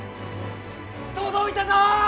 届いたぞ！